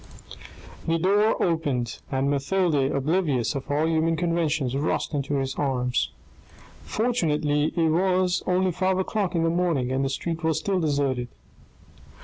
The door opened, and Mathilde, oblivious of all human conventions, rushed into his arms. Fortunately, it was 462 THE RED AND THE BLACK only five o'clock in the morning, and the street was still deserted.